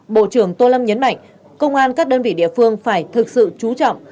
bộ trưởng tô lâm nhấn mạnh công an các đơn vị địa phương phải thực sự trú trọng